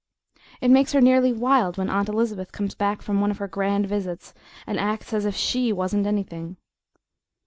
It makes her nearly wild when Aunt Elizabeth comes back from one of her grand visits and acts as if SHE wasn't anything.